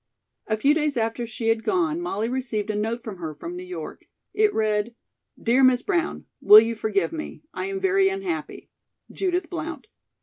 A few days after she had gone Molly received a note from her from New York. It read: "DEAR MISS BROWN: "Will you forgive me? I am very unhappy. "JUDITH BLOUNT."